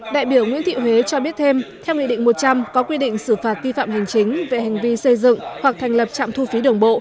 đại biểu nguyễn thị huế cho biết thêm theo nghị định một trăm linh có quy định xử phạt vi phạm hành chính về hành vi xây dựng hoặc thành lập trạm thu phí đường bộ